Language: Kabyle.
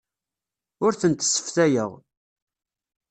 Ur tent-sseftayeɣ.